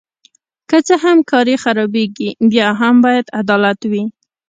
که څه هم کار یې خرابیږي بیا هم باید عدالت وي.